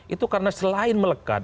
itu karena selain melekat